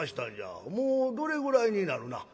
もうどれぐらいになるなあ？」。